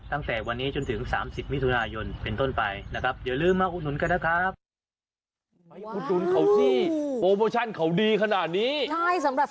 ตั้งแต่วันนี้จนถึง๓๐มิถุนายนเป็นต้นไปนะครับอย่าลืมมาอุดหนุนกันนะครับ